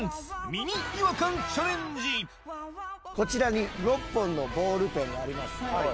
こちらに６本のボールペンあります